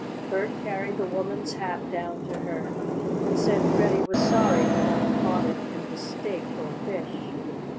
Bert carried the woman's hat down to her, and said Freddie was sorry for having caught it in mistake for a fish.